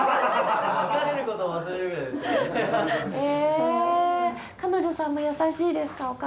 え彼女さんも優しいですか？